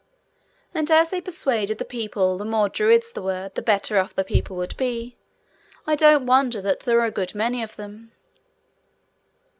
And, as they persuaded the people the more Druids there were, the better off the people would be, I don't wonder that there were a good many of them.